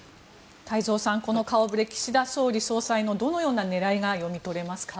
太蔵さん、この顔触れ岸田総理、総裁のどのような狙いが読み取れますか？